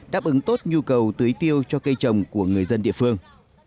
đáp ứng tốt nhu cầu tưới tiêu cho cây trồng của người dân địa phương